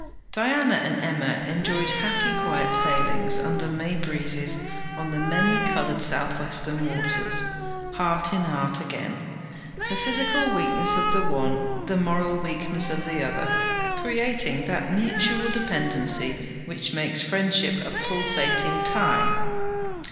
Diana and Emma enjoyed happy quiet sailings under May breezes on the many coloured South western waters, heart in heart again; the physical weakness of the one, the moral weakness of the other, creating that mutual dependency which makes friendship a pulsating tie.